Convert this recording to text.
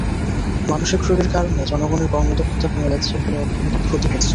মানসিক রোগের কারণে জনগণের কর্মদক্ষতা কমে যাচ্ছে, ফলে অর্থনৈতিক ক্ষতি হচ্ছে।